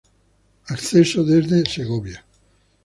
Acceso desde Segovia.